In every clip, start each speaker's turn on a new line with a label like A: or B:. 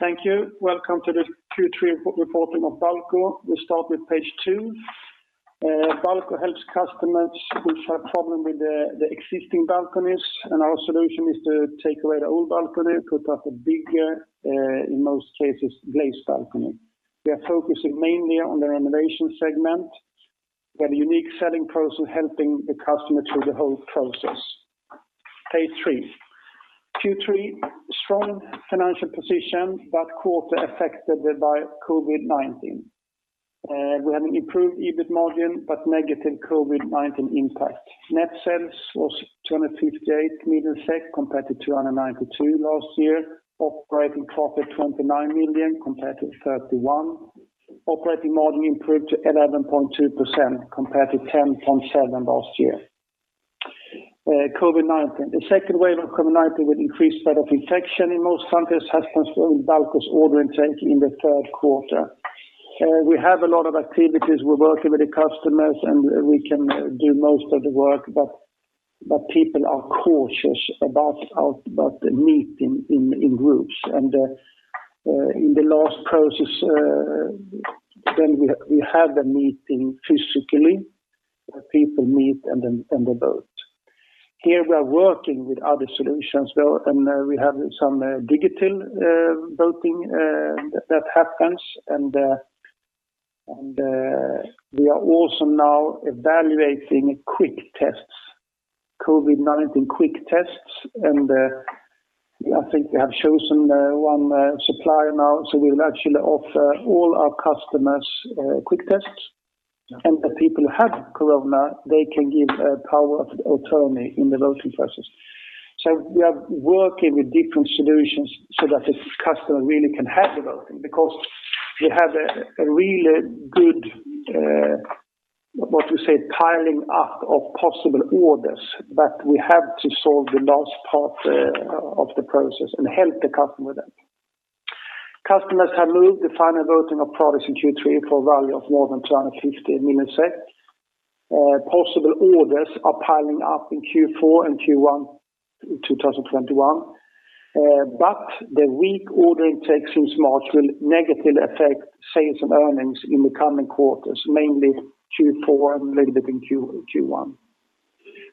A: Thank you. Welcome to the Q3 reporting of BALCO. We start with page two. BALCO helps customers who have problems with their existing balconies. Our solution is to take away the old balcony, put up a bigger, in most cases, glazed balcony. We are focusing mainly on the renovation segment. We have a unique selling process helping the customer through the whole process. Page three. Q3, strong financial position. Quarter affected by COVID-19. We had an improved EBIT margin. Negative COVID-19 impact. Net sales was 258 million SEK compared to 292 last year. Operating profit 29 million compared to 31. Operating margin improved to 11.2% compared to 10.7% last year. COVID-19. The second wave of COVID-19, with increased rate of infection in most countries, has influenced BALCO's order intake in the third quarter. We have a lot of activities. We're working with the customers, and we can do most of the work, but people are cautious about meeting in groups. In the last process, then we have the meeting physically, where people meet and they vote. Here we are working with other solutions though, and we have some digital voting that happens, and we are also now evaluating COVID-19 quick tests, and I think we have chosen one supplier now. We will actually offer all our customers quick tests, and the people who have corona, they can give power of attorney in the voting process. We are working with different solutions so that the customer really can have the voting, because we have a really good, what to say, piling up of possible orders. We have to solve the last part of the process and help the customer then. Customers have moved the final voting of products in Q3 for a value of more than 250 million. Possible orders are piling up in Q4 and Q1 in 2021. The weak order intake since March will negatively affect sales and earnings in the coming quarters, mainly Q4 and a little bit in Q1.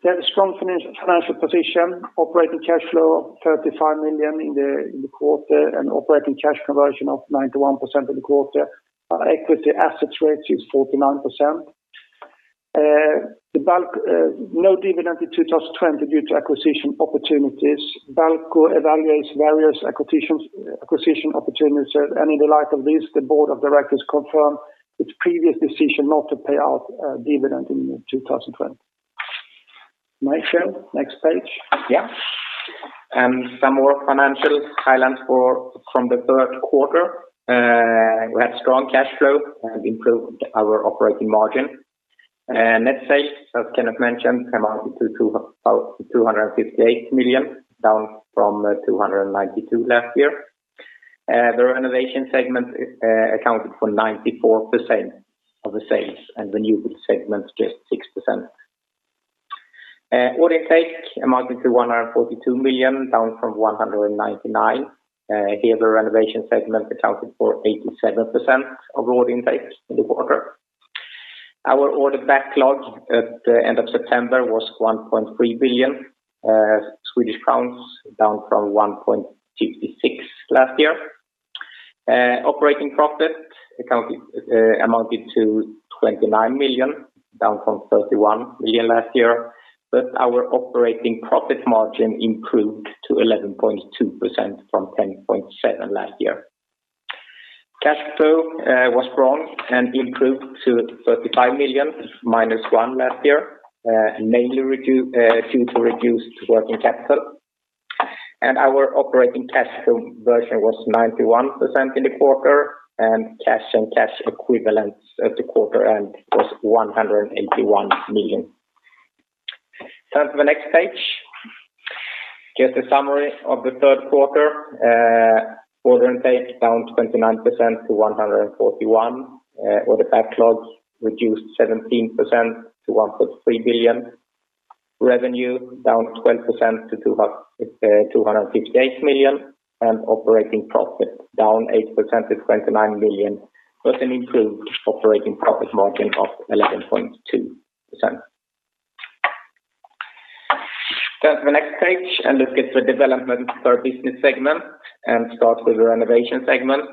A: We have a strong financial position, operating cash flow of 35 million in the quarter, and operating cash conversion of 91% in the quarter. Our equity assets ratio is 49%. No dividend in 2020 due to acquisition opportunities. BALCO evaluates various acquisition opportunities, and in the light of this, the board of directors confirmed its previous decision not to pay out dividend in 2020. Michael, next page.
B: Yeah. Some more financial highlights from the third quarter. We had strong cash flow and improved our operating margin. Net sales, as Kenneth mentioned, amounted to 258 million, down from 292 million last year. The renovation segment accounted for 94% of the sales, and the new-build segment just 6%. Order intake amounted to 142 million, down from 199 million. Here, the renovation segment accounted for 87% of order intake in the quarter. Our order backlog at the end of September was 1.3 billion Swedish crowns, down from 1.66 billion last year. Operating profit amounted to 29 million, down from 31 million last year. Our operating profit margin improved to 11.2% from 10.7% last year. Cash flow was strong and improved to 35 million, -1 million last year, mainly due to reduced working capital. Our operating cash flow conversion was 91% in the quarter, and cash and cash equivalents at the quarter end was 181 million. Turn to the next page. Just a summary of the third quarter. Order intake down 29% to 141 million. Order backlogs reduced 17% to 1.3 billion. Revenue down 12% to 258 million, and operating profit down 8% to 29 million, but an improved operating profit margin of 11.2%. Turn to the next page and look at the development of our business segment. Start with the renovation segment.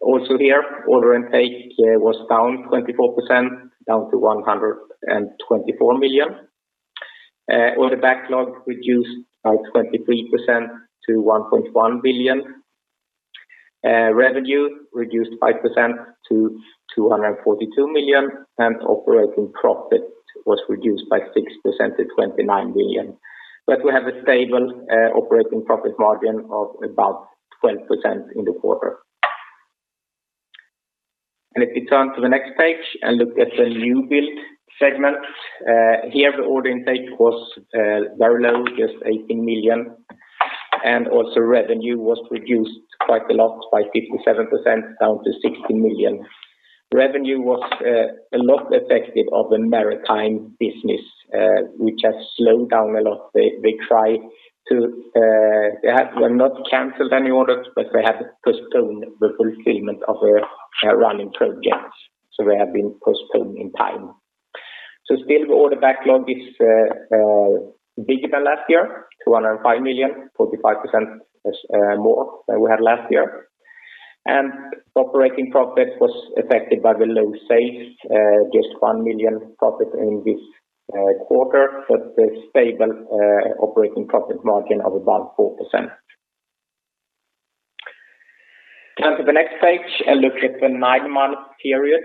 B: Also here, order intake was down 24%, down to 124 million. Order backlog reduced by 23% to 1.1 billion. Revenue reduced 5% to 242 million, and operating profit was reduced by 6% to 29 million. We have a stable operating profit margin of about 12% in the quarter. If you turn to the next page and look at the new-build segment. Here the order intake was very low, just 18 million, and also revenue was reduced quite a lot, by 57%, down to 16 million. Revenue was a lot affected of the maritime business, which has slowed down a lot. They have not canceled any orders, but they have postponed the fulfillment of a running project. They have been postponed in time. Still the order backlog is bigger than last year, 205 million, 45% more than we had last year. Operating profit was affected by the low sales, just 1 million profit in this quarter, but a stable operating profit margin of about 4%. Turn to the next page and look at the nine-month period.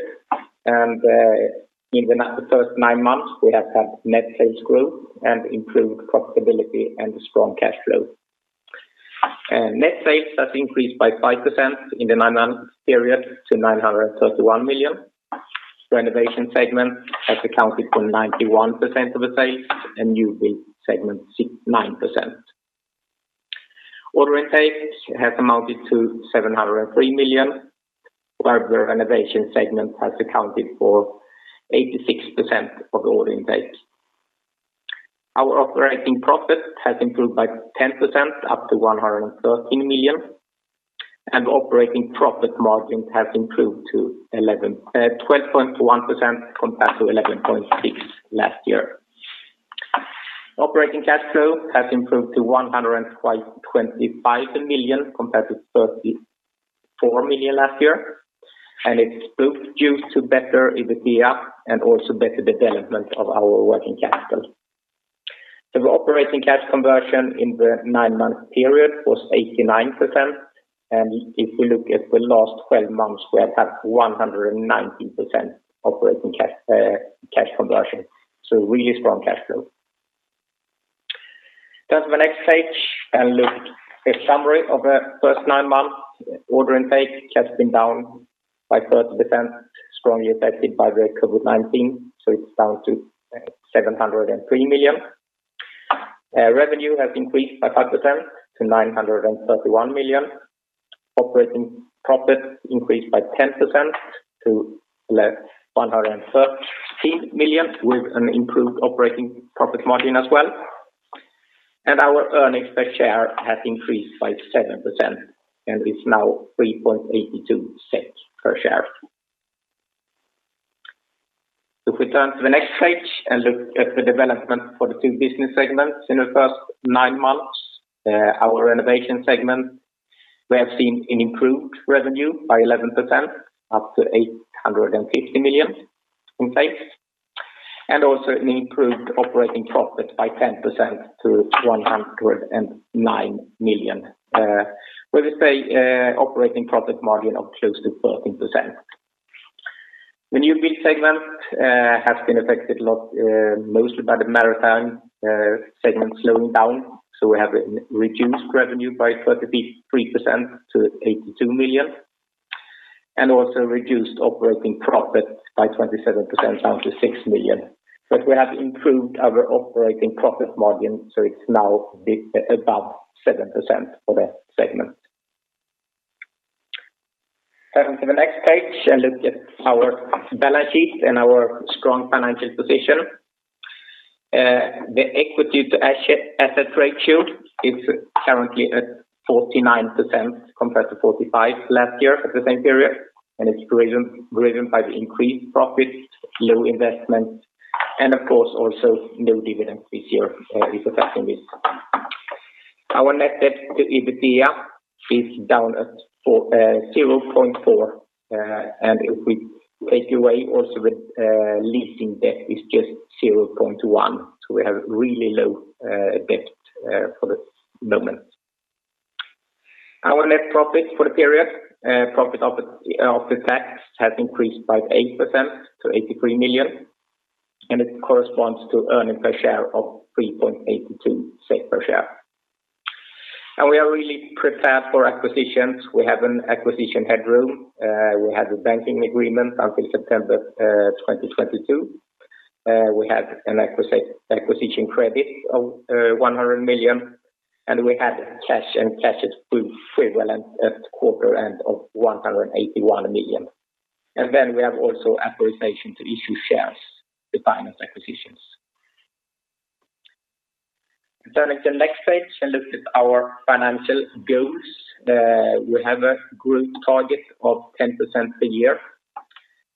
B: In the first nine months, we have had net sales growth and improved profitability and a strong cash flow. Net sales has increased by 5% in the nine-month period to 931 million. Renovation segment has accounted for 91% of the sales, and new build segment 9%. Order intake has amounted to 703 million, where the renovation segment has accounted for 86% of the order intake. Our operating profit has improved by 10% up to 113 million, and operating profit margin has improved to 12.1% compared to 11.6% last year. Operating cash flow has improved to 125 million compared to 34 million last year, and it's both due to better EBITDA and also better development of our working capital. The operating cash conversion in the nine-month period was 89%, and if we look at the last 12 months, we have had 119% operating cash conversion. Really strong cash flow. Turn to the next page and look at a summary of the first nine months. Order intake has been down by 30%, strongly affected by the COVID-19, so it's down to 703 million. Revenue has increased by 5% to 931 million. Operating profit increased by 10% to 113 million, with an improved operating profit margin as well. Our earnings per share has increased by 7% and is now 0.0382 per share. If we turn to the next page and look at the development for the two business segments. In the first nine months, our renovation segment, we have seen an improved revenue by 11%, up to 850 million in sales. Also an improved operating profit by 10% to 109 million, with operating profit margin of close to 13%. The new build segment has been affected a lot, mostly by the maritime segment slowing down. We have reduced revenue by 33% to 82 million, and also reduced operating profit by 27% down to 6 million. We have improved our operating profit margin, so it's now above 7% for that segment. Turn to the next page and look at our balance sheet and our strong financial position. The equity to asset ratio is currently at 49% compared to 45% last year at the same period, and it's driven by the increased profit, low investment, and of course, also no dividend this year is affecting this. Our net debt to EBITDA is down at 0.4, and if we take away also the leasing debt is just 0.1, so we have really low debt for the moment. Our net profit for the period, profit after tax, has increased by 8% to 83 million, and it corresponds to SEK 0.0382 per share. We are really prepared for acquisitions. We have an acquisition headroom. We have a banking agreement until September 2022. We have an acquisition credit of 100 million, and we have cash and cash equivalents at quarter end of 181 million. We have also authorization to issue shares to finance acquisitions. Turning to the next page and look at our financial goals. We have a growth target of 10% per year.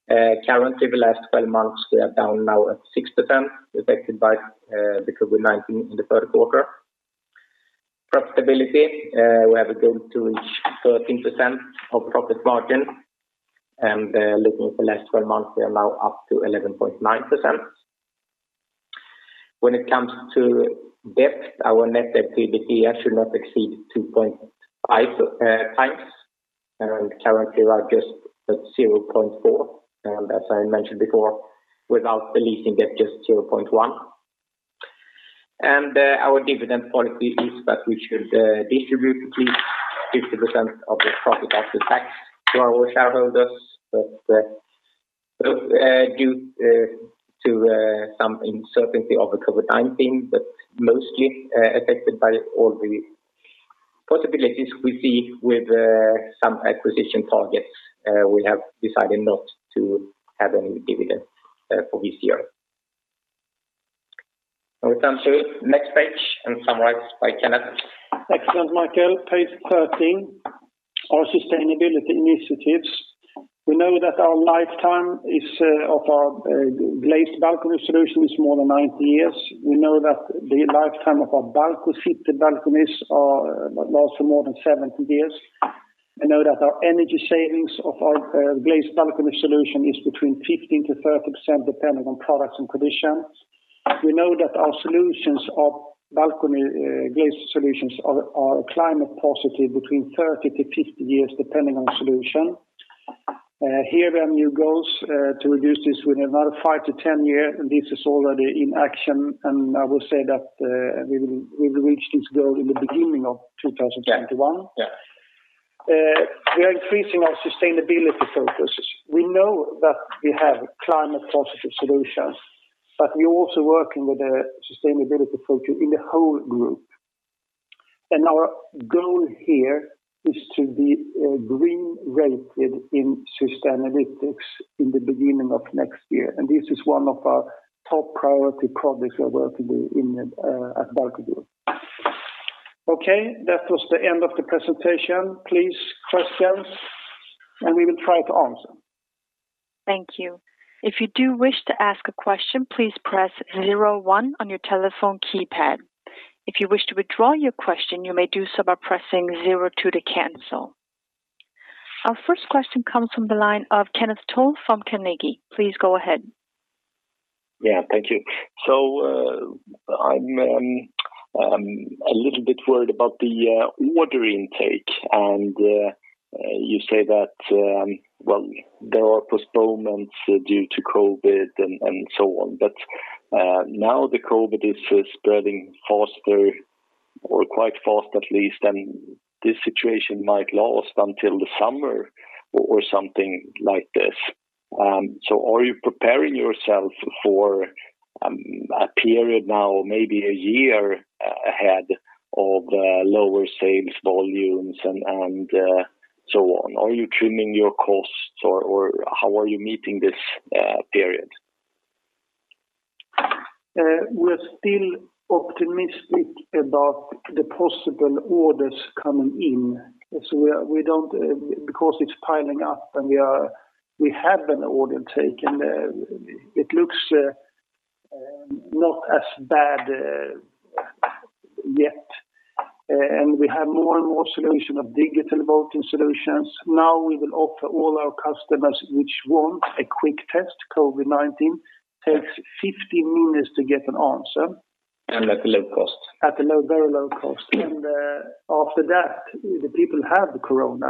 B: Currently, the last 12 months, we are down now at 6%, affected by the COVID-19 in the third quarter. Profitability, we have a goal to reach 13% of profit margin, and looking at the last 12 months, we are now up to 11.9%. When it comes to debt, our net debt to EBITDA should not exceed 2.5x, and currently we are just at 0.4x. As I mentioned before, without the leasing debt, just 0.1. Our dividend policy is that we should distribute at least 50% of the profit after tax to our shareholders. Due to some uncertainty of the COVID-19, but mostly affected by all the possibilities we see with some acquisition targets, we have decided not to have any dividend for this year. Over time to next page and summarized by Kenneth.
A: Excellent, Michael. Page 13, our sustainability initiatives. We know that our lifetime of our glazed balcony solution is more than 90 years. We know that the lifetime of our BALCO's balconies lasts for more than 70 years and know that our energy savings of our glazed balcony solution is between 15%-30%, depending on products and conditions. We know that our solutions of balcony glazed solutions are climate positive between 30-50 years, depending on solution. Here are new goals to reduce this within another five to 10 year. This is already in action, I will say that we will reach this goal in the beginning of 2021.
B: Yeah.
A: We are increasing our sustainability focus. We know that we have climate positive solutions, but we're also working with a sustainability focus in the whole group. Our goal here is to be green rated in Sustainalytics in the beginning of next year, and this is one of our top priority projects we are working on at BALCO GROUP. Okay, that was the end of the presentation. Please, questions, and we will try to answer.
C: Thank you. If you do wish to ask a question, please press zero one on your telephone keypad. If you wish to withdraw your question, you may do so by pressing zero two to cancel. Our first question comes from the line of Kenneth Toll from Carnegie. Please go ahead.
D: Yeah, thank you. I'm a little bit worried about the order intake and you say that there are postponements due to COVID and so on. Now the COVID is spreading faster or quite fast at least, and this situation might last until the summer or something like this. Are you preparing yourself for a period now, maybe a year ahead of lower sales volumes and so on? Are you trimming your costs or how are you meeting this period?
A: We're still optimistic about the possible orders coming in. It's piling up and we have an order intake, it looks not as bad yet. We have more and more solution of digital voting solutions. Now we will offer all our customers which want a quick test, COVID-19, takes 15 minutes to get an answer.
B: At a low cost.
A: At a very low cost. After that, the people have the Corona.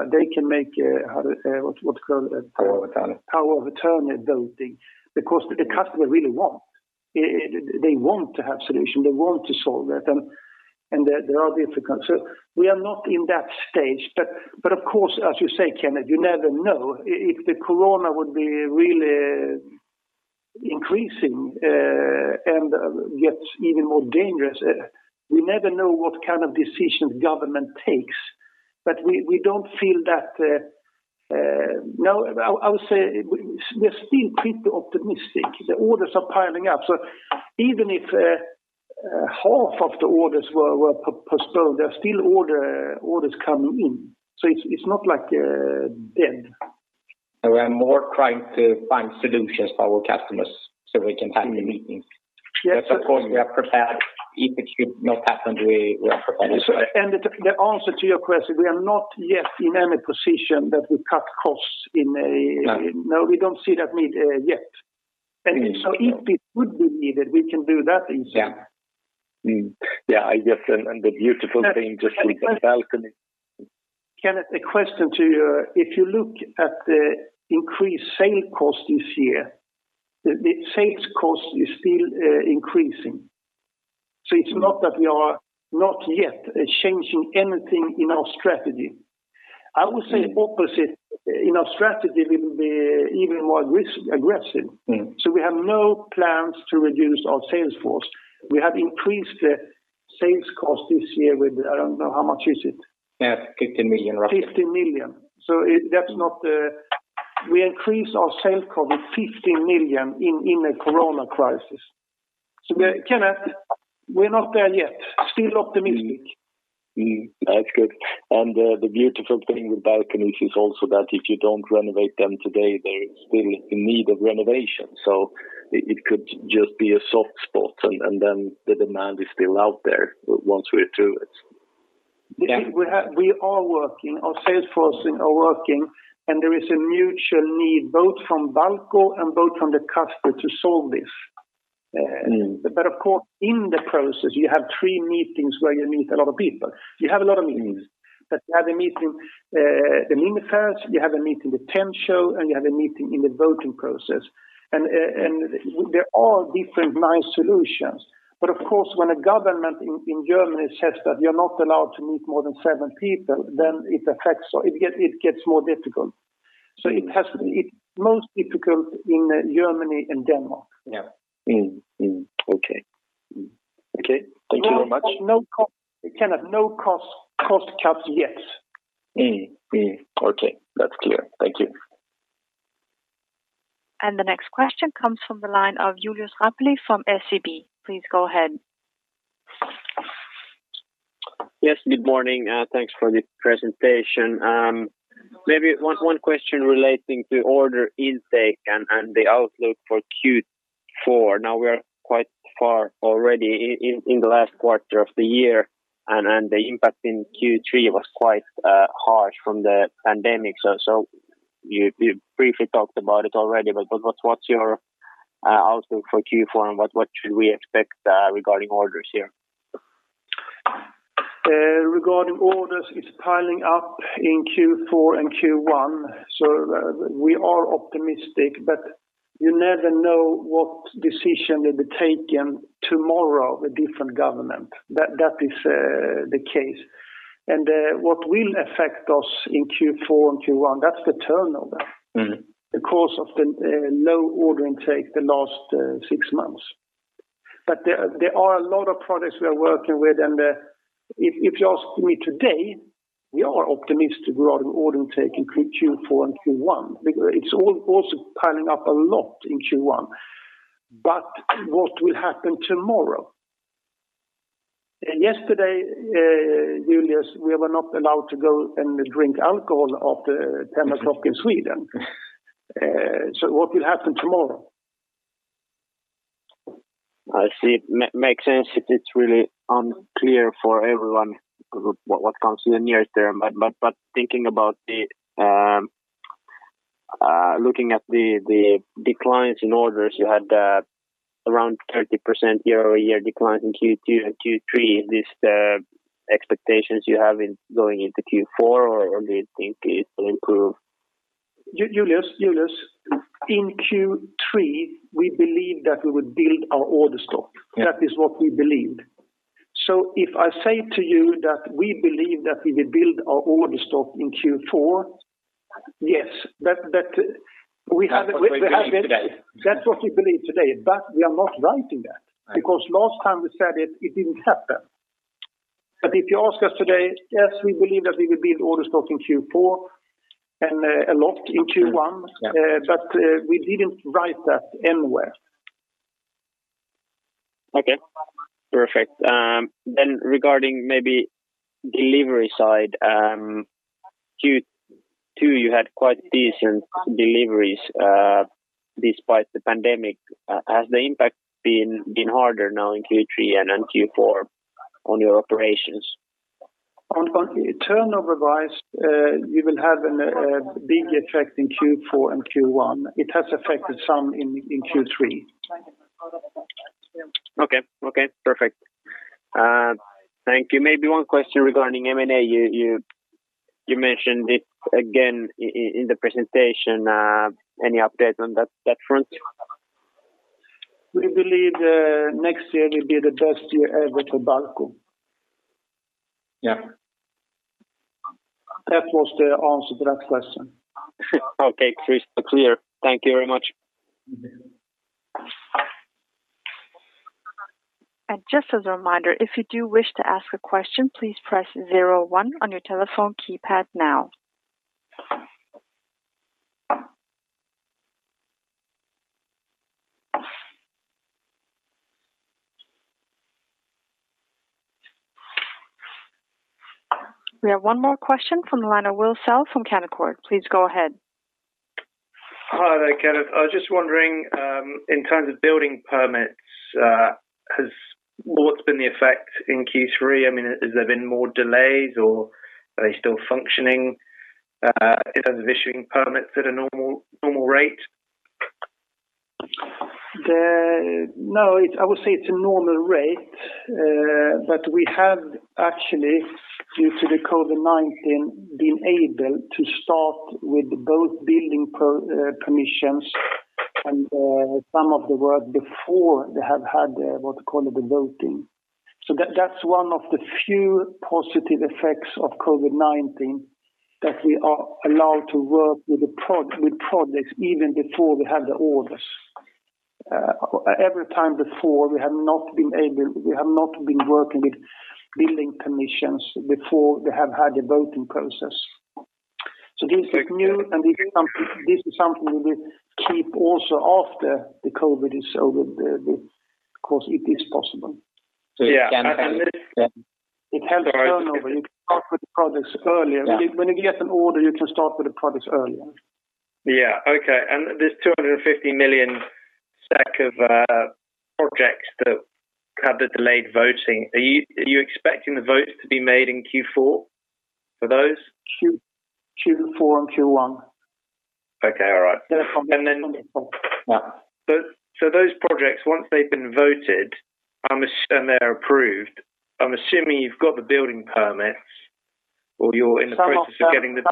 B: Power of attorney.
A: Power of attorney voting because the customer really want. They want to have solution. They want to solve that and there are different kinds. We are not in that stage. Of course, as you say, Kenneth, you never know if the Corona would be really increasing and gets even more dangerous. We never know what kind of decision government takes. We don't feel that. I would say we're still pretty optimistic. The orders are piling up. Even if half of the orders were postponed, there are still orders coming in. It's not like dead.
B: We are more trying to find solutions for our customers so we can have the meetings. Of course, we are prepared if it should not happen, we are prepared as well.
A: The answer to your question, we are not yet in any position that we cut costs.
B: No
A: No, we don't see that need yet. If it would be needed, we can do that easily.
D: Yeah. I guess, the beautiful thing, just look at balcony.
A: Kenneth, a question to you. If you look at the increased sale cost this year, the sales cost is still increasing. It's not that we are not yet changing anything in our strategy. I would say opposite. In our strategy, we will be even more aggressive. We have no plans to reduce our sales force. We have increased the sales cost this year with, I don't know, how much is it?
B: Yeah, 15 million roughly.
A: 15 million. We increased our sales cost with 15 million in a corona crisis. Kenneth, we're not there yet. Still optimistic.
B: That's good. The beautiful thing with balconies is also that if you don't renovate them today, they're still in need of renovation. It could just be a soft spot, the demand is still out there once we are through it.
A: We are working, our sales force are working. There is a mutual need both from BALCO and both from the customer to solve this. Of course, in the process, you have three meetings where you meet a lot of people. You have a lot of meetings, but you have a meeting in the limit fence, you have a meeting with TemShow, and you have a meeting in the voting process. There are different nice solutions. Of course, when a government in Germany says that you're not allowed to meet more than seven people, then it gets more difficult. It's most difficult in Germany and Denmark.
B: Yeah.
D: Okay.
B: Okay. Thank you very much.
A: We cannot know cost caps yet.
D: Okay. That's clear. Thank you.
C: The next question comes from the line of Julius Rapeli from SEB. Please go ahead.
E: Yes, good morning, thanks for the presentation. Maybe one question relating to order intake and the outlook for Q4. We are quite far already in the last quarter of the year, and the impact in Q3 was quite harsh from the pandemic. You briefly talked about it already, but what's your outlook for Q4, and what should we expect regarding orders here?
A: Regarding orders, it's piling up in Q4 and Q1, we are optimistic. You never know what decision will be taken tomorrow with different government. That is the case. What will affect us in Q4 and Q1, that's the turnover. Of the low order intake the last six months. There are a lot of products we are working with, and if you ask me today, we are optimistic about an order intake in Q4 and Q1 because it's also piling up a lot in Q1. What will happen tomorrow? Yesterday, Julius, we were not allowed to go and drink alcohol after 10:00 in Sweden. What will happen tomorrow?
E: I see. It makes sense. It's really unclear for everyone what comes in the near term. Looking at the declines in orders, you had around 30% year-over-year decline in Q2 and Q3. Is this the expectations you have going into Q4, or do you think it will improve?
A: Julius, in Q3, we believe that we would build our order stock.
E: Yeah.
A: That is what we believed. If I say to you that we believe that we will build our order stock in Q4, yes.
E: That's what you believe today.
A: That's what we believe today, but we are not writing that because last time we said it didn't happen. If you ask us today, yes, we believe that we will build order stock in Q4 and a lot in Q1.
E: Yeah.
A: We didn't write that anywhere.
E: Okay. Perfect. Regarding maybe delivery side, Q2, you had quite decent deliveries despite the pandemic. Has the impact been harder now in Q3 and Q4 on your operations?
A: Turnover-wise, you will have a big effect in Q4 and Q1. It has affected some in Q3.
E: Okay. Perfect. Thank you. Maybe one question regarding M&A. You mentioned it again in the presentation. Any update on that front?
A: We believe next year will be the best year ever for BALCO.
E: Yeah.
A: That was the answer to that question.
E: Okay, crystal clear. Thank you very much.
C: Just as a reminder, if you do wish to ask a question, please press zero one on your telephone keypad now. We have one more question from the line of Will Garbutt from Canaccord. Please go ahead.
F: Hi there, Kenneth. I was just wondering, in terms of building permits, what's been the effect in Q3? I mean, has there been more delays, or are they still functioning in terms of issuing permits at a normal rate?
A: No, I would say it's a normal rate. We have actually, due to the COVID-19, been able to start with both building permissions and some of the work before they have had what you call the voting. That's one of the few positive effects of COVID-19, that we are allowed to work with projects even before we have the orders. Every time before, we have not been working with building permissions before they have had a voting process. This is new, and this is something we will keep also after the COVID is over because it is possible.
F: So you can-
A: It helps turnover. You can start with projects earlier.
F: Yeah.
A: When you get an order, you can start with the projects earlier.
F: Yeah. Okay, this 250 million stack of projects that have the delayed voting, are you expecting the votes to be made in Q4 for those?
A: Q4 and Q1.
F: Okay. All right.
A: Yeah.
F: Those projects, once they've been voted, and they're approved, I'm assuming you've got the building permits or you're in the process of getting the.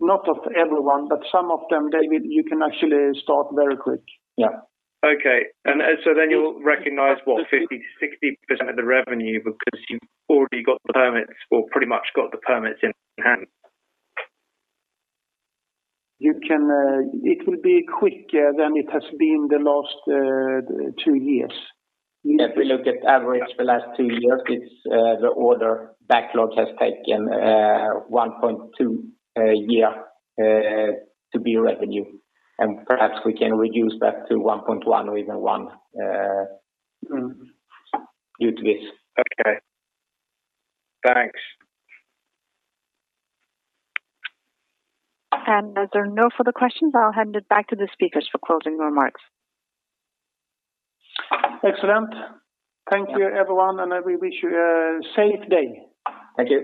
A: Not of everyone, but some of them, David, you can actually start very quick. Yeah.
F: Okay. You'll recognize what, 50%-60% of the revenue because you've already got the permits or pretty much got the permits in hand?
A: It will be quicker than it has been the last two years.
B: If we look at average the last two years, the order backlog has taken 1.2 year to be revenue, and perhaps we can reduce that to 1.1 or even one due to this.
F: Okay. Thanks.
C: As there are no further questions, I'll hand it back to the speakers for closing remarks.
A: Excellent. Thank you, everyone. We wish you a safe day.
B: Thank you.